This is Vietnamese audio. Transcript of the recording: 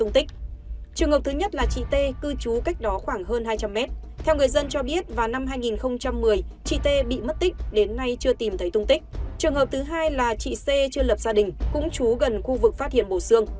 thứ hai là chị c chưa lập gia đình cũng trú gần khu vực phát hiện bộ xương